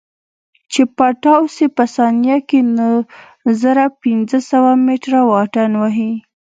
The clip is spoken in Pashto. چې پټاو سي په ثانيه کښې نو زره پنځه سوه مټره واټن وهي.